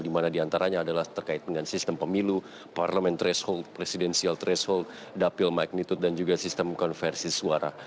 di mana diantaranya adalah terkait dengan sistem pemilu parliamentar presidential threshold dapil magnitude dan juga sistem konversi suara